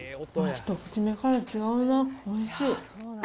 一口目から違うな、おいしい。